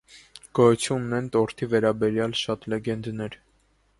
Գոյություն ունեն տորթի վերաբերյալ շատ լեգենդներ։